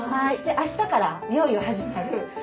明日からいよいよ始まる。